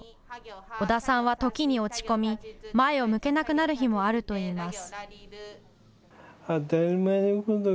小田さんは、時に落ち込み前を向けなくなる日もあるといいます。